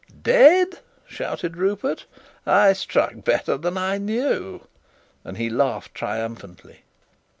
"Dead!" shouted Rupert. "I struck better than I knew!" and he laughed triumphantly.